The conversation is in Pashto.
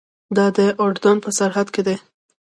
دا د اردن په سرحد کې دی.